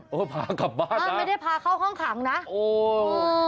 พากลับบ้านนะไม่ได้พาเข้าห้องขังนะโอ้